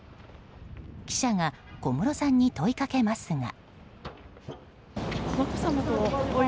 記者が小室さんに問いかけますが。